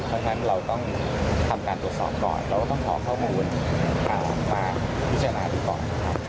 เพราะฉะนั้นเราต้องทำการตรวจสอบก่อนเราก็ต้องขอข้อมูลมาพิจารณาดูก่อนนะครับ